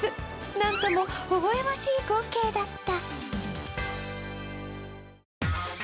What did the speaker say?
なんともほほ笑ましい光景だった。